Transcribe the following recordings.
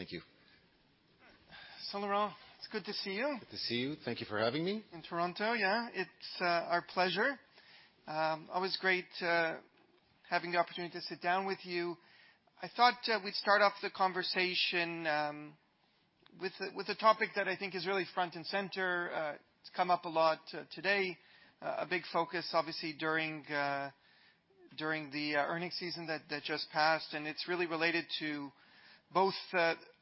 Thank you. Laurent, it's good to see you. Good to see you. Thank you for having me. In Toronto, yeah, it's our pleasure. Always great having the opportunity to sit down with you. I thought we'd start off the conversation with a topic that I think is really front and center. It's come up a lot today, a big focus, obviously, during the earnings season that just passed. And it's really related to both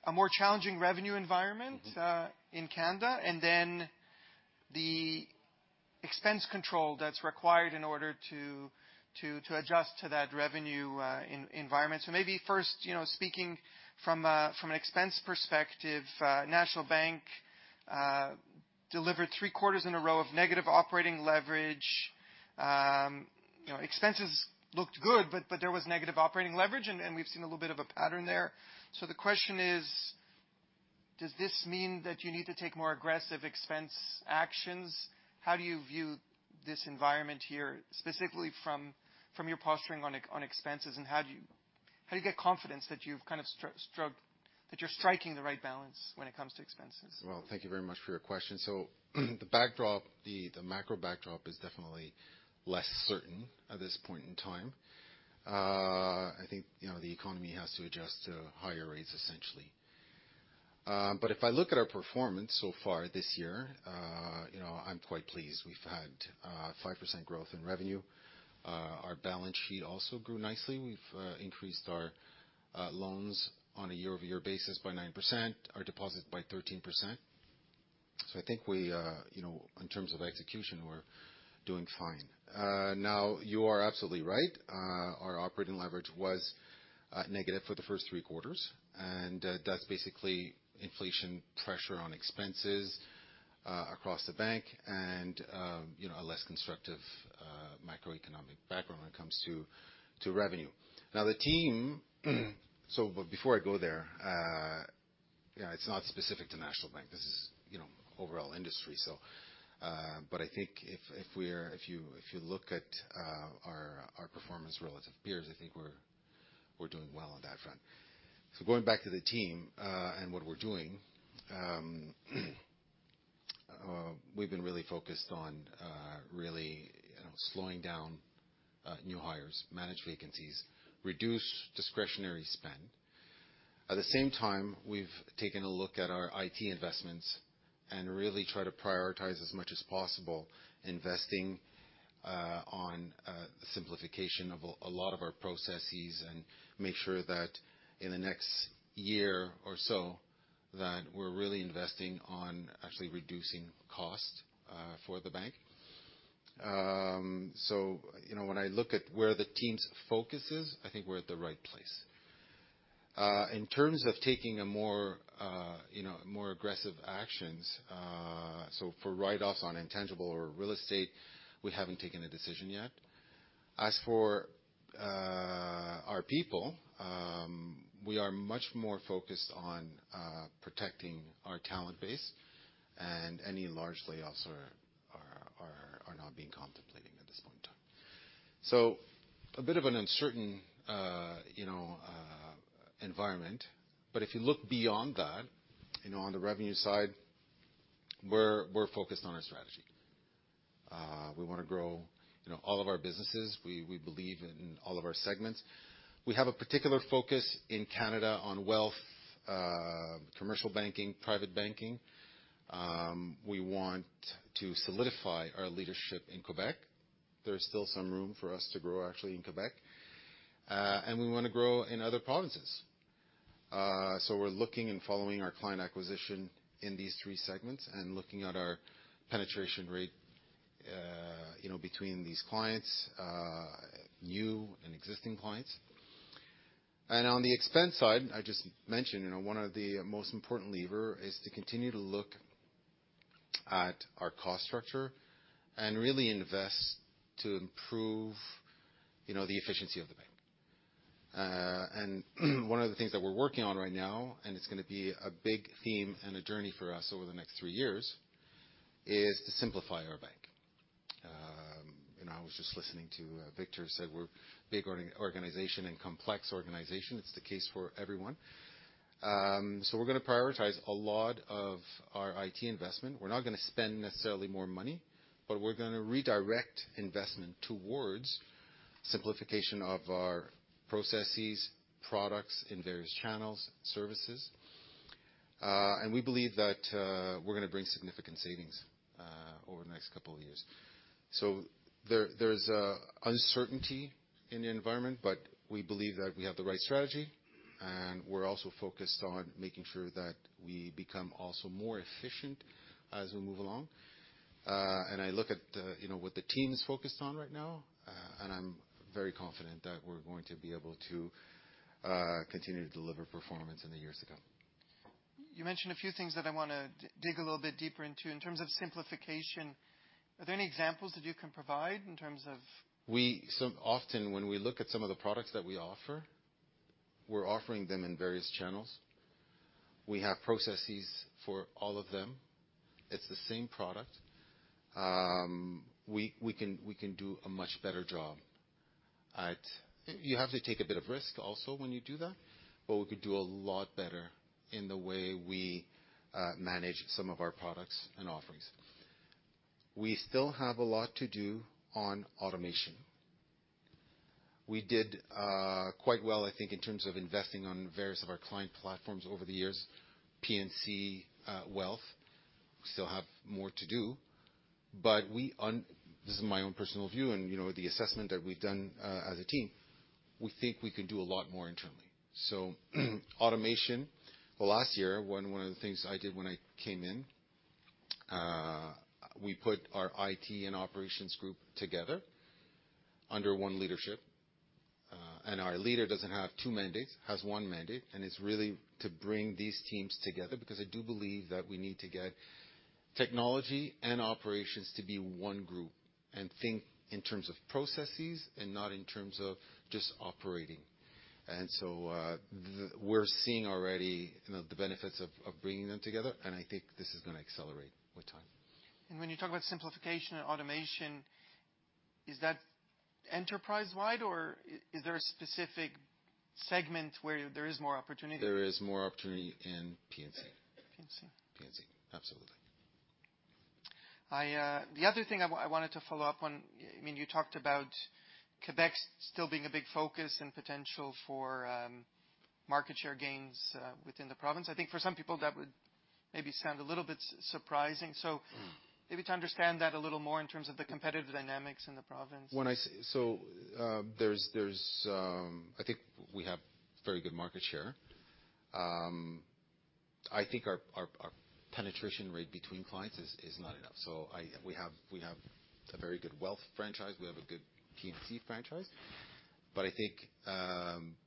a more challenging revenue environment- Mm-hmm In Canada, and then the expense control that's required in order to adjust to that revenue environment. So maybe first, you know, speaking from an expense perspective, National Bank delivered three quarters in a row of negative operating leverage. You know, expenses looked good, but there was negative operating leverage, and we've seen a little bit of a pattern there. So the question is, does this mean that you need to take more aggressive expense actions? How do you view this environment here, specifically from your posturing on expenses, and how do you get confidence that you've kind of struck that you're striking the right balance when it comes to expenses? Well, thank you very much for your question. So the backdrop, the macro backdrop is definitely less certain at this point in time. I think, you know, the economy has to adjust to higher rates, essentially. But if I look at our performance so far this year, you know, I'm quite pleased. We've had 5% growth in revenue. Our balance sheet also grew nicely. We've increased our loans on a year-over-year basis by 9%, our deposits by 13%. So I think we, you know, in terms of execution, we're doing fine. Now, you are absolutely right. Our operating leverage was negative for the first three quarters, and that's basically inflation pressure on expenses across the bank and, you know, a less constructive macroeconomic background when it comes to revenue. Now, the team, so but before I go there, yeah, it's not specific to National Bank. This is, you know, overall industry, so. But I think if you look at our performance relative to peers, I think we're doing well on that front. So going back to the team, and what we're doing, we've been really focused on really, you know, slowing down new hires, manage vacancies, reduce discretionary spend. At the same time, we've taken a look at our IT investments and really try to prioritize as much as possible, investing on simplification of a lot of our processes and make sure that in the next year or so, that we're really investing on actually reducing costs for the bank. So, you know, when I look at where the team's focus is, I think we're at the right place. In terms of taking a more, you know, more aggressive actions, so for write-offs on intangible or real estate, we haven't taken a decision yet. As for our people, we are much more focused on protecting our talent base, and any large layoffs are not being contemplated at this point in time. So a bit of an uncertain, you know, environment. But if you look beyond that, you know, on the revenue side, we're focused on our strategy. We want to grow, you know, all of our businesses. We believe in all of our segments. We have a particular focus in Canada on Wealth, Commercial Banking, Private Banking. We want to solidify our leadership in Quebec. There is still some room for us to grow, actually, in Quebec. And we want to grow in other provinces. So we're looking and following our client acquisition in these three segments and looking at our penetration rate, you know, between these clients, new and existing clients. And on the expense side, I just mentioned, you know, one of the most important lever is to continue to look at our cost structure and really invest to improve, you know, the efficiency of the bank. And one of the things that we're working on right now, and it's gonna be a big theme and a journey for us over the next three years, is to simplify our bank. You know, I was just listening to Victor said we're a big organization and complex organization. It's the case for everyone. So we're gonna prioritize a lot of our IT investment. We're not gonna spend necessarily more money, but we're gonna redirect investment towards simplification of our processes, products in various channels, services. And we believe that, we're gonna bring significant savings, over the next couple of years. So there, there's uncertainty in the environment, but we believe that we have the right strategy, and we're also focused on making sure that we become also more efficient as we move along. And I look at, you know, what the team is focused on right now, and I'm very confident that we're going to be able to, continue to deliver performance in the years to come. You mentioned a few things that I want to dig a little bit deeper into. In terms of simplification, are there any examples that you can provide in terms of? So often, when we look at some of the products that we offer, we're offering them in various channels. We have processes for all of them. It's the same product. We can do a much better job. You have to take a bit of risk also when you do that, but we could do a lot better in the way we manage some of our products and offerings. We still have a lot to do on automation. We did quite well, I think, in terms of investing on various of our client platforms over the years, P&C, Wealth. We still have more to do, but this is my own personal view, and, you know, the assessment that we've done, as a team, we think we can do a lot more internally. So automation, well, last year, one of the things I did when I came in, we put our IT and operations group together under one leadership. And our leader doesn't have two mandates, has one mandate, and it's really to bring these teams together, because I do believe that we need to get technology and operations to be one group and think in terms of processes and not in terms of just operating. And so, we're seeing already, you know, the benefits of bringing them together, and I think this is gonna accelerate with time. When you talk about simplification and automation, is that enterprise-wide, or is there a specific segment where there is more opportunity? There is more opportunity in P&C. P&C. P&C, absolutely. The other thing I wanted to follow up on, I mean, you talked about Quebec still being a big focus and potential for market share gains within the province. I think for some people, that would maybe sound a little bit surprising. Mm. So maybe to understand that a little more in terms of the competitive dynamics in the province. I think we have very good market share. I think our penetration rate between clients is not enough. So we have a very good Wealth franchise, we have a good P&C franchise, but I think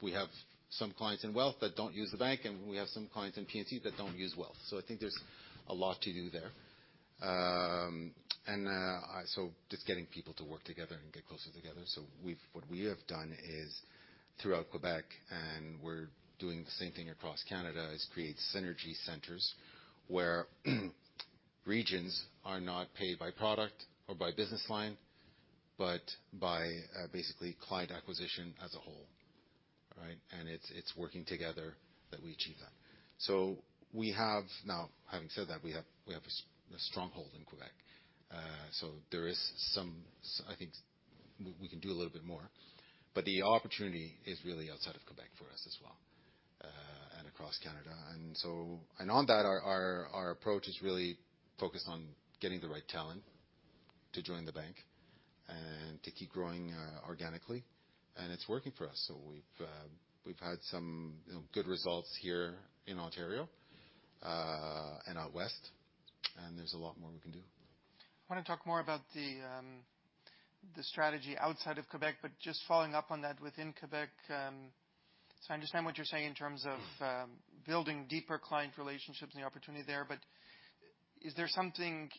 we have some clients in Wealth that don't use the bank, and we have some clients in P&C that don't use Wealth. So I think there's a lot to do there. And so just getting people to work together and get closer together. So what we have done is, throughout Quebec, and we're doing the same thing across Canada, is create synergy centers where regions are not paid by product or by business line, but by basically client acquisition as a whole, right? And it's working together that we achieve that. Now, having said that, we have a stronghold in Quebec. So there is some, I think we can do a little bit more, but the opportunity is really outside of Quebec for us as well, and across Canada. And so, on that, our approach is really focused on getting the right talent to join the bank and to keep growing organically, and it's working for us. So we've had some, you know, good results here in Ontario, and out west, and there's a lot more we can do. I want to talk more about the strategy outside of Quebec, but just following up on that, within Quebec, so I understand what you're saying in terms of building deeper client relationships and the opportunity there, but is there something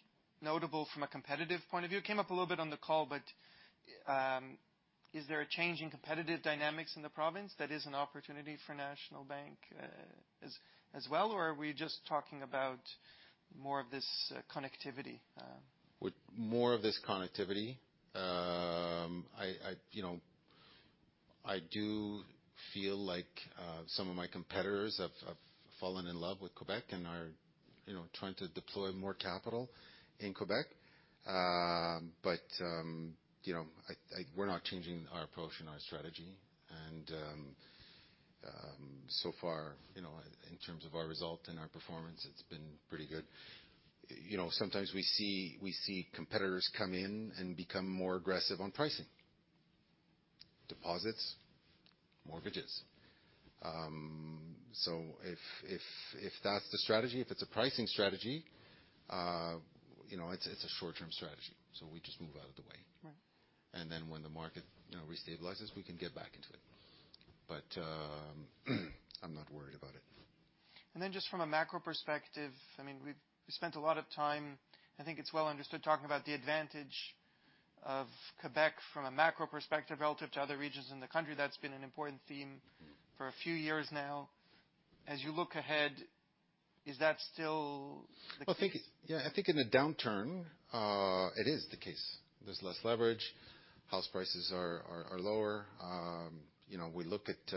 notable from a competitive point of view? It came up a little bit on the call, but is there a change in competitive dynamics in the province that is an opportunity for National Bank, as well, or are we just talking about more of this connectivity? With more of this connectivity, you know, I do feel like some of my competitors have fallen in love with Quebec and are, you know, trying to deploy more capital in Quebec. But you know, we're not changing our approach and our strategy, and so far, you know, in terms of our result and our performance, it's been pretty good. You know, sometimes we see competitors come in and become more aggressive on pricing, deposits, mortgages. So if that's the strategy, if it's a pricing strategy, you know, it's a short-term strategy, so we just move out of the way. Right. Then when the market, you know, restabilizes, we can get back into it. But, I'm not worried about it. And then just from a macro perspective, I mean, we've spent a lot of time, I think it's well understood, talking about the advantage of Quebec from a macro perspective relative to other regions in the country. That's been an important theme- Mm. for a few years now. As you look ahead, is that still the case? Well, I think, yeah, I think in a downturn, it is the case. There's less leverage. House prices are lower. You know, we look at.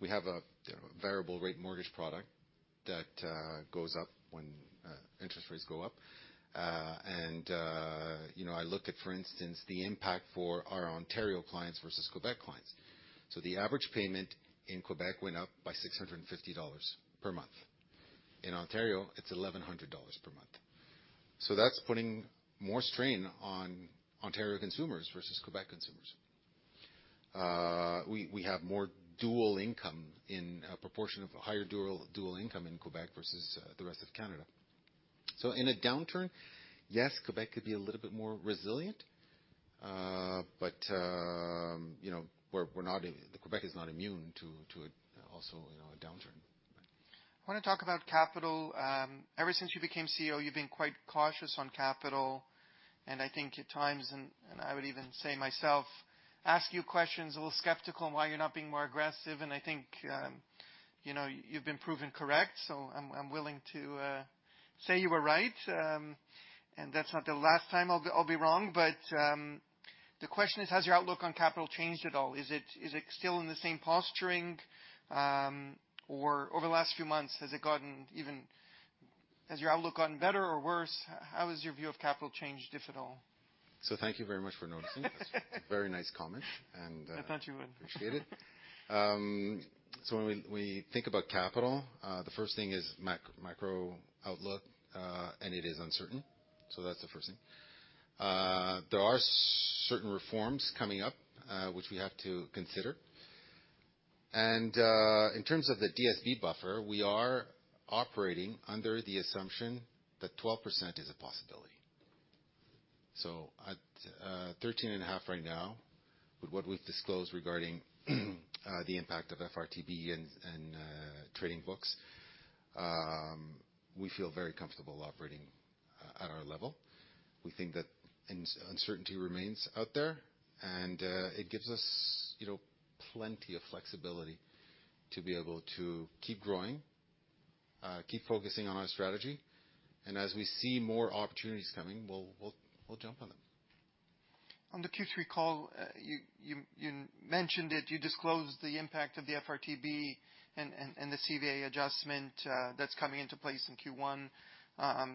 We have a, you know, variable rate mortgage product that goes up when interest rates go up. And, you know, I look at, for instance, the impact for our Ontario clients versus Quebec clients. So the average payment in Quebec went up by 650 dollars per month. In Ontario, it's 1,100 dollars per month. So that's putting more strain on Ontario consumers versus Quebec consumers. We have more dual income in a proportion of higher dual income in Quebec versus the rest of Canada. So in a downturn, yes, Quebec could be a little bit more resilient, but, you know, we're not. The Quebec is not immune to also, you know, a downturn. I want to talk about capital. Ever since you became CEO, you've been quite cautious on capital, and I think at times, and, and I would even say myself, ask you questions, a little skeptical on why you're not being more aggressive. And I think, you know, you've been proven correct, so I'm, I'm willing to, say you were right. And that's not the last time I'll be, I'll be wrong. But, the question is, has your outlook on capital changed at all? Is it, is it still in the same posturing? Or over the last few months, has it gotten even-- has your outlook gotten better or worse? How has your view of capital changed, if at all? Thank you very much for noticing. Very nice comment, and I thought you would. Appreciate it. So when we think about capital, the first thing is macro outlook, and it is uncertain. So that's the first thing. There are certain reforms coming up, which we have to consider. And, in terms of the DSB buffer, we are operating under the assumption that 12% is a possibility. So at 13.5 right now, with what we've disclosed regarding the impact of FRTB and trading books, we feel very comfortable operating at our level. We think that uncertainty remains out there, and it gives us, you know, plenty of flexibility to be able to keep growing, keep focusing on our strategy. And as we see more opportunities coming, we'll jump on them. On the Q3 call, you mentioned it, you disclosed the impact of the FRTB and the CVA adjustment, that's coming into place in Q1.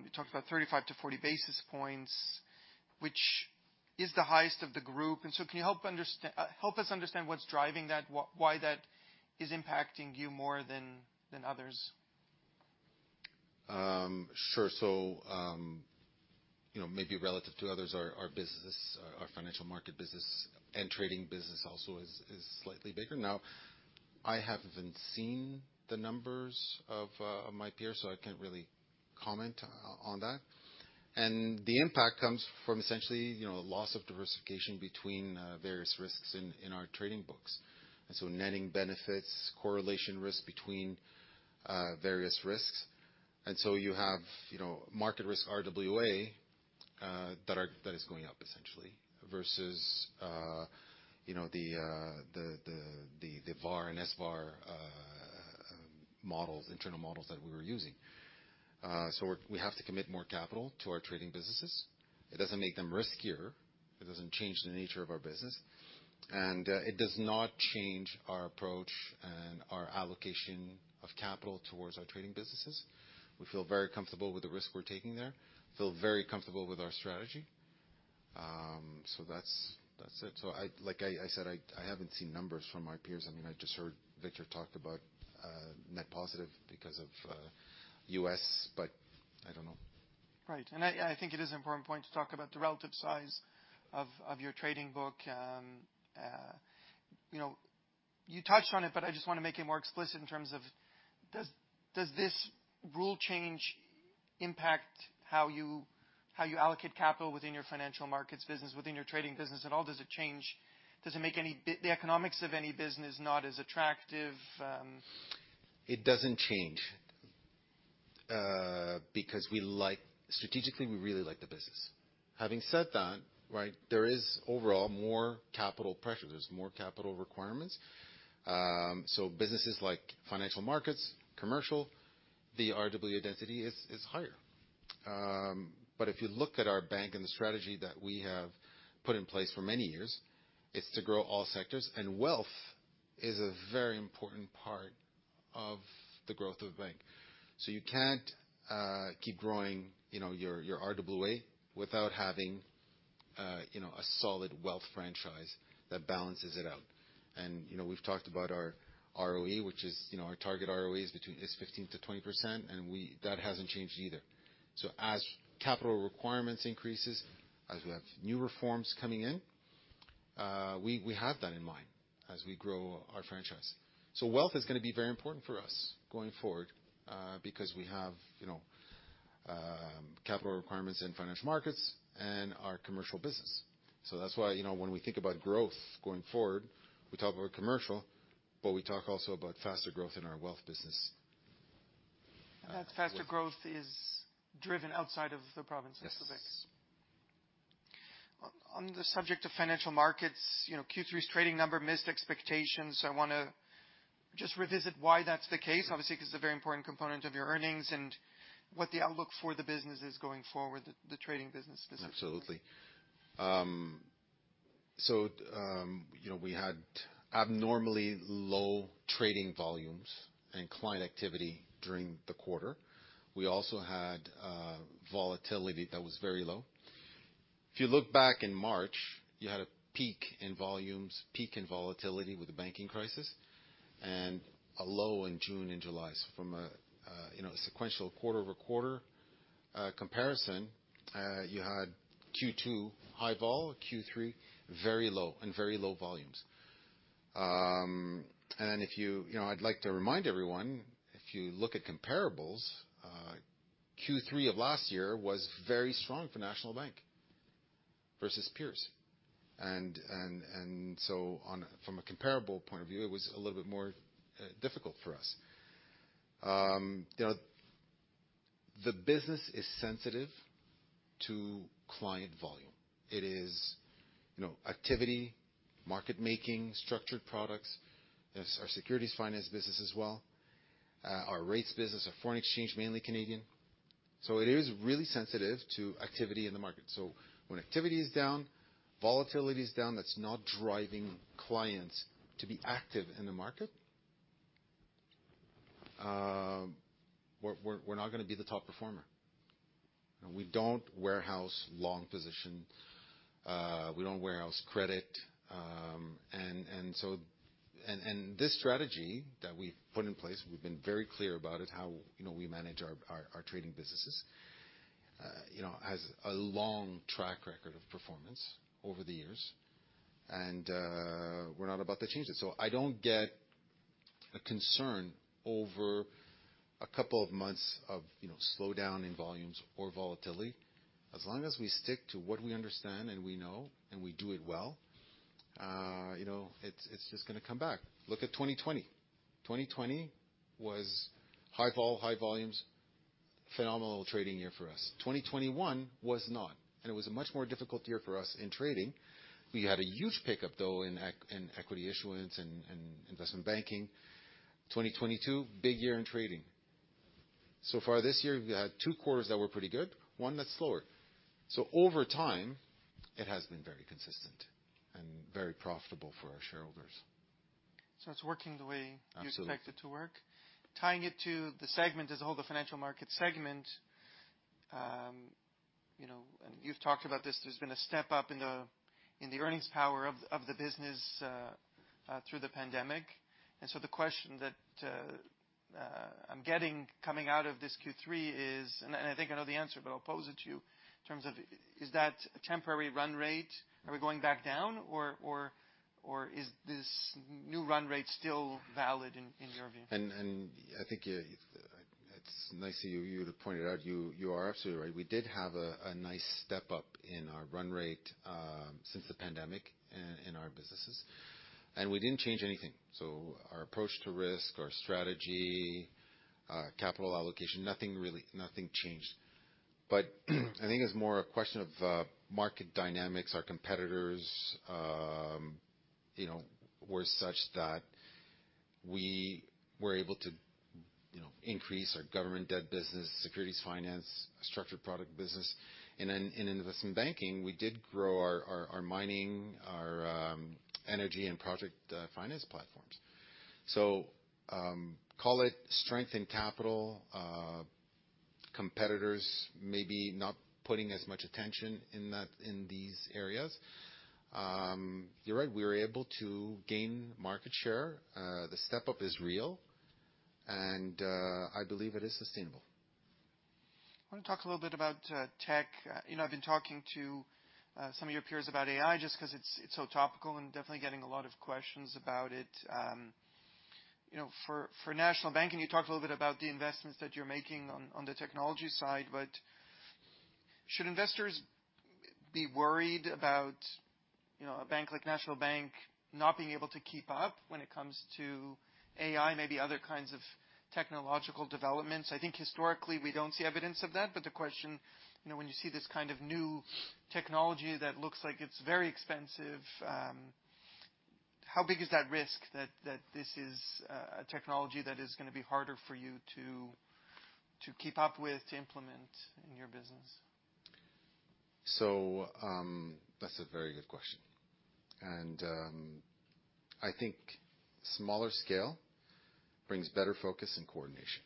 You talked about 35-40 basis points, which is the highest of the group. Can you help us understand what's driving that, why that is impacting you more than others? Sure. So, you know, maybe relative to others, our business, our Financial Markets business and trading business also is slightly bigger. Now, I haven't seen the numbers of my peers, so I can't really comment on that. And the impact comes from essentially, you know, loss of diversification between various risks in our trading books. And so netting benefits, correlation risk between various risks. And so you have, you know, market risk RWA that is going up essentially, versus, you know, the VAR and SVAR models, internal models that we were using. So we're, we have to commit more capital to our trading businesses. It doesn't make them riskier. It doesn't change the nature of our business, and it does not change our approach and our allocation of capital towards our trading businesses. We feel very comfortable with the risk we're taking there, feel very comfortable with our strategy. So that's, that's it. So like I said, I haven't seen numbers from our peers. I mean, I just heard Victor talk about net positive because of US, but I don't know. Right. And I think it is an important point to talk about the relative size of your trading book. You know, you touched on it, but I just want to make it more explicit in terms of does this rule change impact how you allocate capital within your Financial Markets business, within your trading business at all? Does it make the economics of any business not as attractive? It doesn't change, because we like... Strategically, we really like the business. Having said that, right, there is overall more capital pressure. There's more capital requirements. So businesses like Financial Markets, commercial, the RWA density is higher. But if you look at our bank and the strategy that we have put in place for many years, it's to grow all sectors, and Wealth is a very important part of the growth of the bank. So you can't keep growing, you know, your, your RWA without having, you know, a solid Wealth franchise that balances it out. And, you know, we've talked about our ROE, which is, you know, our target ROE is between 15%-20%, and we, that hasn't changed either. So as capital requirements increases, as we have new reforms coming in, we have that in mind as we grow our franchise. So Wealth is going to be very important for us going forward, because we have, you know, capital requirements in Financial Markets and our commercial business. So that's why, you know, when we think about growth going forward, we talk about commercial, but we talk also about faster growth in our Wealth business. That faster growth is driven outside of the province of Quebec? Yes. On the subject of Financial Markets, you know, Q3's trading number missed expectations. So I want to just revisit why that's the case. Obviously, because it's a very important component of your earnings and what the outlook for the business is going forward, the trading business. Absolutely. So, you know, we had abnormally low trading volumes and client activity during the quarter. We also had volatility that was very low. If you look back in March, you had a peak in volumes, peak in volatility with the banking crisis and a low in June and July. So from a, you know, a sequential quarter-over-quarter comparison, you had Q2 high vol, Q3 very low and very low volumes. And if you—you know, I'd like to remind everyone, if you look at comparables, Q3 of last year was very strong for National Bank versus peers. And so on, from a comparable point of view, it was a little bit more difficult for us. You know, the business is sensitive to client volume. It is, you know, activity, market making, structured products. There's our securities finance business as well, our rates business, our foreign exchange, mainly Canadian. So it is really sensitive to activity in the market. So when activity is down, volatility is down, that's not driving clients to be active in the market, we're not gonna be the top performer. We don't warehouse long position, we don't warehouse credit, and so this strategy that we've put in place, we've been very clear about it, how you know we manage our trading businesses, you know, has a long track record of performance over the years, and we're not about to change it. So I don't get a concern over a couple of months of you know slowdown in volumes or volatility. As long as we stick to what we understand and we know and we do it well, you know, it's, it's just gonna come back. Look at 2020. 2020 was high vol, high volumes, phenomenal trading year for us. 2021 was not, and it was a much more difficult year for us in trading. We had a huge pickup, though, in equity issuance and investment banking. 2022, big year in trading. So far this year, we've had two quarters that were pretty good, one that's slower. So over time, it has been very consistent and very profitable for our shareholders. So it's working the way- Absolutely. You'd expect it to work. Tying it to the segment as a whole, the Financial Markets segment, you know, and you've talked about this, there's been a step up in the earnings power of the business through the pandemic. And so the question that I'm getting coming out of this Q3 is, and I think I know the answer, but I'll pose it to you, in terms of, is that a temporary run rate? Are we going back down, or, or is this new run rate still valid in your view? I think, yeah, it's nice of you to point it out. You are absolutely right. We did have a nice step up in our run rate since the pandemic in our businesses, and we didn't change anything. So our approach to risk, our strategy, capital allocation, nothing really changed. But I think it's more a question of market dynamics. Our competitors, you know, were such that we were able to, you know, increase our government debt business, securities finance, structured product business. And in investment banking, we did grow our mining, our energy and project finance platforms. So call it strength in capital, competitors maybe not putting as much attention in that, in these areas. You're right, we were able to gain market share. The step up is real, and I believe it is sustainable. I want to talk a little bit about tech. You know, I've been talking to some of your peers about AI, just because it's, it's so topical and definitely getting a lot of questions about it. You know, for, for National Bank, and you talked a little bit about the investments that you're making on, on the technology side, but should investors be worried about, you know, a bank like National Bank not being able to keep up when it comes to AI, maybe other kinds of technological developments? I think historically, we don't see evidence of that, but the question, you know, when you see this kind of new technology that looks like it's very expensive, how big is that risk that, that this is a technology that is gonna be harder for you to, to keep up with, to implement in your business? So, that's a very good question. And, I think smaller scale brings better focus and coordination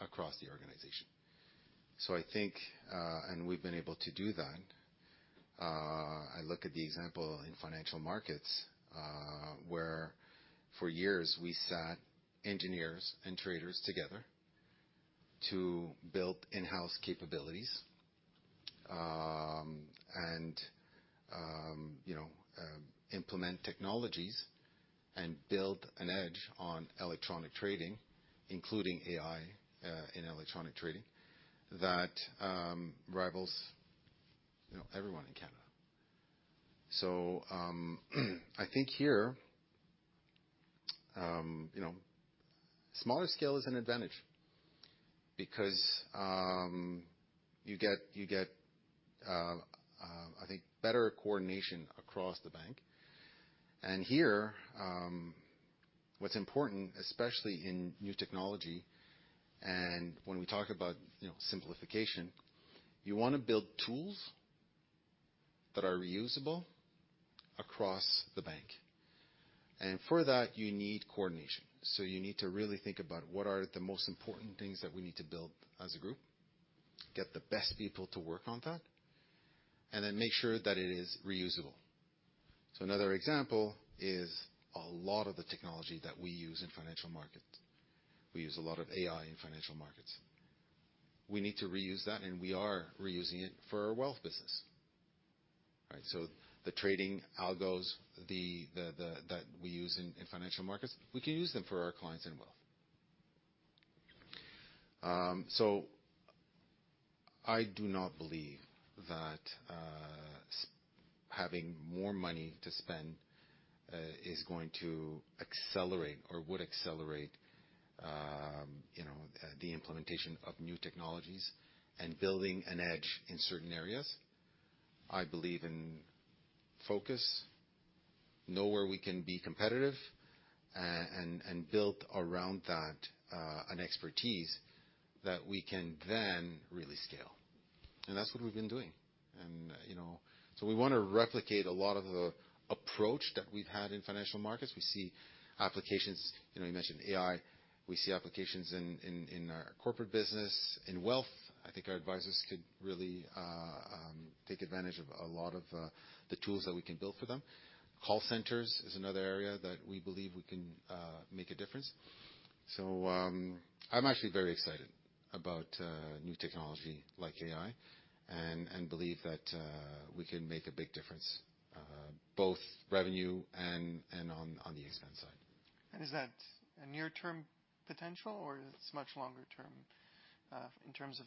across the organization. So I think, and we've been able to do that, I look at the example in Financial Markets, where for years we sat engineers and traders together to build in-house capabilities, and, you know, implement technologies and build an edge on electronic trading, including AI, in electronic trading, that, rivals, you know, everyone in Canada. So, I think here, you know, smaller scale is an advantage because, you get, you get, I think, better coordination across the bank. And here, what's important, especially in new technology, and when we talk about, you know, simplification, you want to build tools that are reusable across the bank, and for that, you need coordination. So you need to really think about what are the most important things that we need to build as a group, get the best people to work on that, and then make sure that it is reusable. So another example is a lot of the technology that we use in Financial Markets. We use a lot of AI in Financial Markets. We need to reuse that, and we are reusing it for our Wealth business. Right. So the trading algos that we use in Financial Markets, we can use them for our clients in Wealth. So I do not believe that having more money to spend is going to accelerate or would accelerate you know the implementation of new technologies and building an edge in certain areas. I believe in focus, know where we can be competitive, and build around that, an expertise that we can then really scale. That's what we've been doing. You know, so we want to replicate a lot of the approach that we've had in Financial Markets. We see applications, you know, you mentioned AI. We see applications in our corporate business, in Wealth. I think our advisors could really take advantage of a lot of the tools that we can build for them. Call centers is another area that we believe we can make a difference. So, I'm actually very excited about new technology like AI, and believe that we can make a big difference both revenue and on the expense side. Is that a near-term potential, or it's much longer term, in terms of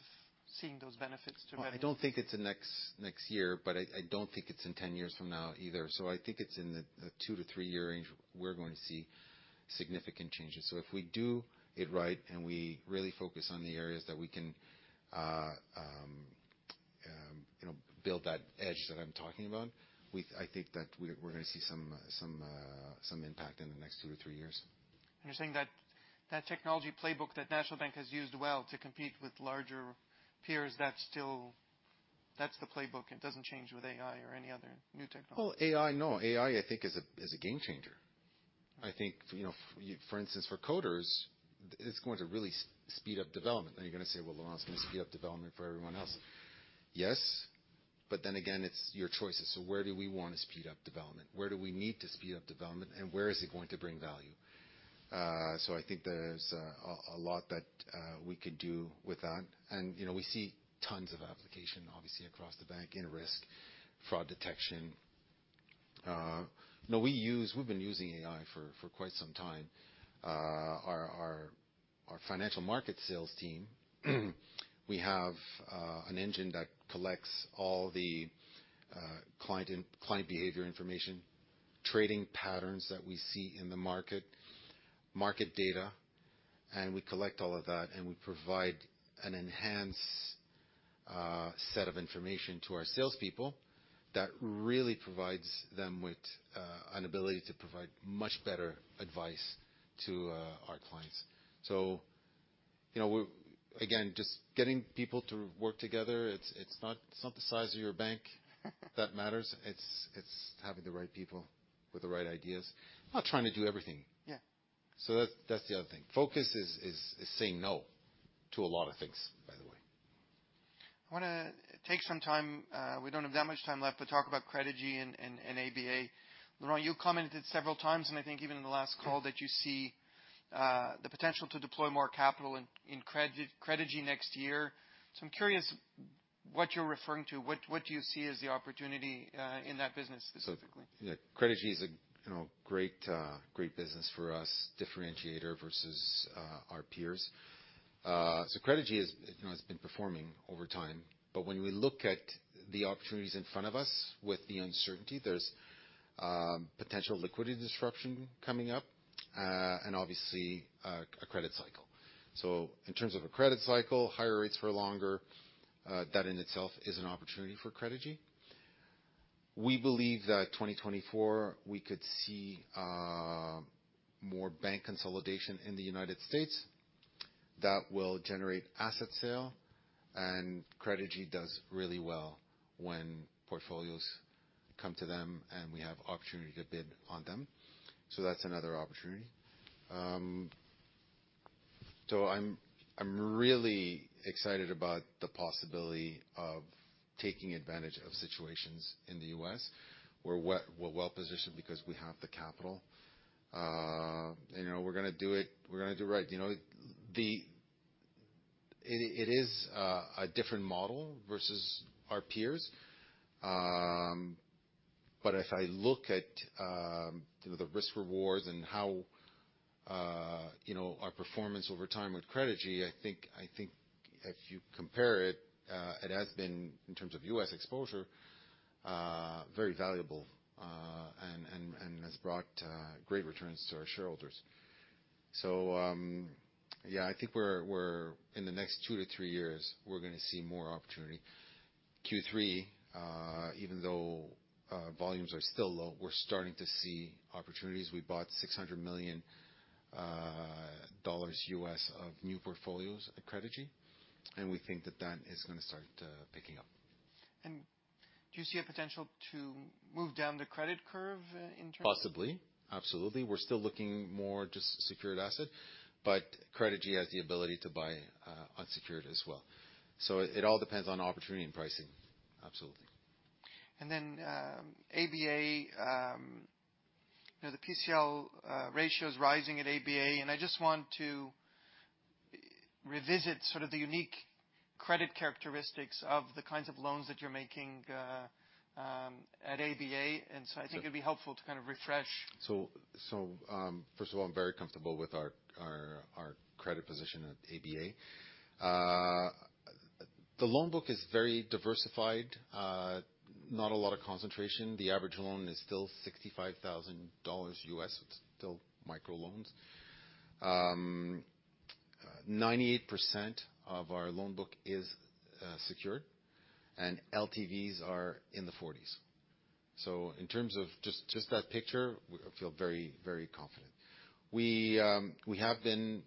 seeing those benefits to- Well, I don't think it's the next, next year, but I, I don't think it's in 10 years from now either. So I think it's in the, the 2-3-year range, we're going to see significant changes. So if we do it right, and we really focus on the areas that we can, you know, build that edge that I'm talking about, we, I think that we're, we're gonna see some, some, some impact in the next 2-3 years. You're saying that technology playbook that National Bank has used well to compete with larger peers, that's still... That's the playbook, and doesn't change with AI or any other new technology? Well, AI, no. AI, I think, is a game changer. I think, you know, for instance, for coders, it's going to really speed up development. And you're gonna say, "Well, Laurent, it's gonna speed up development for everyone else." Yes, but then again, it's your choices. So where do we want to speed up development? Where do we need to speed up development, and where is it going to bring value? So I think there's a lot that we could do with that. And, you know, we see tons of application, obviously, across the bank in risk, fraud detection. No, we've been using AI for quite some time. Our Financial Markets sales team, we have an engine that collects all the client behavior information, trading patterns that we see in the market, market data, and we collect all of that, and we provide an enhanced set of information to our salespeople that really provides them with an ability to provide much better advice to our clients. So, you know, we're again just getting people to work together. It's not the size of your bank that matters. It's having the right people with the right ideas. Not trying to do everything. Yeah. That, that's the other thing. Focus is saying no to a lot of things, by the way. I wanna take some time, we don't have that much time left, to talk about Credigy and ABA. Laurent, you commented several times, and I think even in the last call, that you see the potential to deploy more capital in Credigy next year. So I'm curious what you're referring to. What do you see as the opportunity in that business specifically? Yeah. Credigy is a, you know, great, great business for us, differentiator versus our peers. So Credigy is, you know, has been performing over time, but when we look at the opportunities in front of us with the uncertainty, there's potential liquidity disruption coming up, and obviously a credit cycle. So in terms of a credit cycle, higher rates for longer, that in itself is an opportunity for Credigy. We believe that 2024, we could see more bank consolidation in the United States that will generate asset sale, and Credigy does really well when portfolios come to them, and we have opportunity to bid on them. So that's another opportunity. So I'm, I'm really excited about the possibility of taking advantage of situations in the U.S. We're well, we're well-positioned because we have the capital. You know, we're gonna do it, we're gonna do it right. You know, the It, it is a different model versus our peers. But if I look at you know, the risk, rewards and how you know, our performance over time with Credigy, I think, I think if you compare it, it has been in terms of U.S. exposure very valuable, and, and, and has brought great returns to our shareholders. So, yeah, I think we're, we're in the next two to three years, we're gonna see more opportunity. Q3, even though volumes are still low, we're starting to see opportunities. We bought $600,000,000 of new portfolios at Credigy, and we think that that is gonna start picking up. Do you see a potential to move down the credit curve in terms- Possibly. Absolutely. We're still looking more just secured asset, but Credigy has the ability to buy, unsecured as well. So it, it all depends on opportunity and pricing. Absolutely. And then, ABA, you know, the PCL ratio is rising at ABA, and I just want to revisit sort of the unique credit characteristics of the kinds of loans that you're making at ABA. And so I think it'd be helpful to kind of refresh. First of all, I'm very comfortable with our credit position at ABA. The loan book is very diversified, not a lot of concentration. The average loan is still $65,000. It's still microloans. 98% of our loan book is secured, and LTVs are in the 40s. So in terms of just that picture, we feel very, very confident. We have been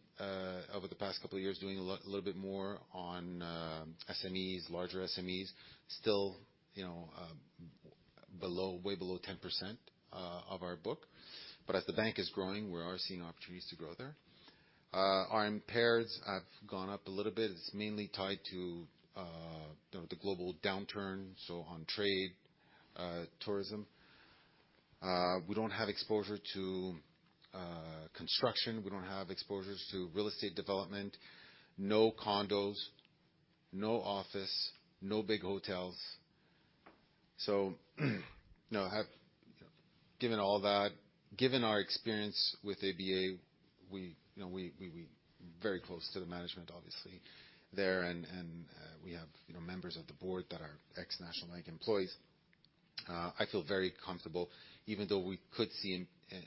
over the past couple of years doing a little bit more on SMEs, larger SMEs, still, you know, below, way below 10% of our book. But as the bank is growing, we are seeing opportunities to grow there. Our impairments have gone up a little bit. It's mainly tied to, you know, the global downturn, so on trade, tourism. We don't have exposure to construction. We don't have exposures to real estate development, no condos, no office, no big hotels. So, you know, given all that, given our experience with ABA, you know, we very close to the management, obviously there and we have, you know, members of the board that are ex-National Bank employees. I feel very comfortable, even though we could see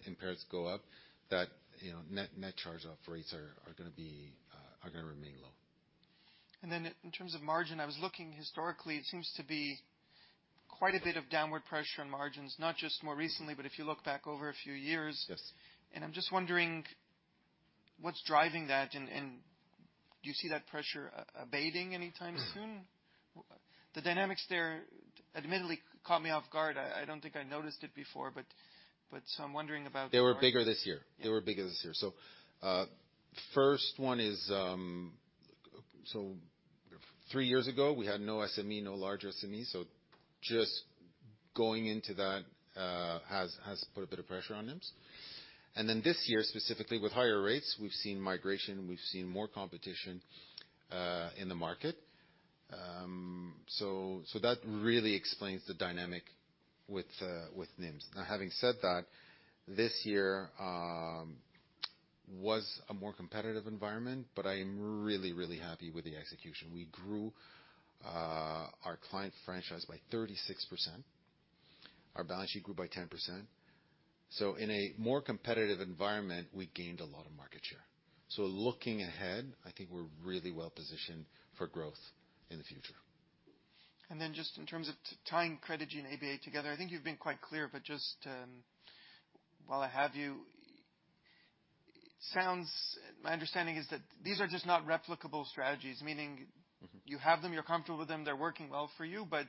impairments go up, that, you know, net charge-off rates are gonna remain low. And then, in terms of margin, I was looking historically. It seems to be quite a bit of downward pressure on margins, not just more recently, but if you look back over a few years. Yes. I'm just wondering what's driving that, and do you see that pressure abating anytime soon? Mm-hmm. The dynamics there, admittedly, caught me off guard. I don't think I noticed it before, but so I'm wondering about- They were bigger this year. They were bigger this year. So, first one is... So three years ago, we had no SME, no larger SME, so just going into that, has put a bit of pressure on NIMs. And then this year, specifically with higher rates, we've seen migration, we've seen more competition, in the market. So, that really explains the dynamic with, with NIMs. Now, having said that, this year, was a more competitive environment, but I am really, really happy with the execution. We grew, our client franchise by 36%. Our balance sheet grew by 10%. So in a more competitive environment, we gained a lot of market share. So looking ahead, I think we're really well positioned for growth in the future. And then, just in terms of tying Credigy and ABA together, I think you've been quite clear, but just, while I have you, it sounds... My understanding is that these are just not replicable strategies, meaning- Mm-hmm. You have them, you're comfortable with them, they're working well for you, but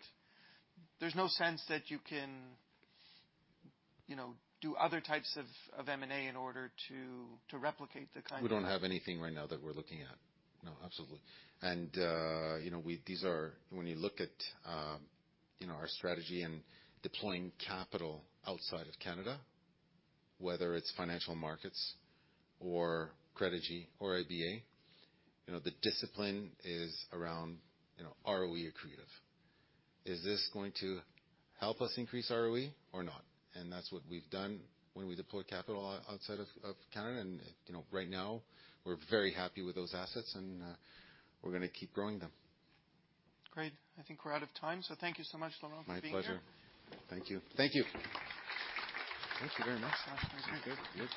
there's no sense that you can, you know, do other types of, of M&A in order to, to replicate the kind of- We don't have anything right now that we're looking at. No, absolutely. And, you know, these are... When you look at, you know, our strategy and deploying capital outside of Canada, whether it's Financial Markets or Credigy or ABA, you know, the discipline is around, you know, ROE accretive. Is this going to help us increase ROE or not? And that's what we've done when we deploy capital outside of Canada, and, you know, right now, we're very happy with those assets, and, we're gonna keep growing them. Great. I think we're out of time, so thank you so much, Laurent, for being here. My pleasure. Thank you. Thank you. Thank you very much. Good. Good.